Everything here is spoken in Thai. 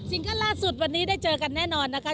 เคิลล่าสุดวันนี้ได้เจอกันแน่นอนนะคะ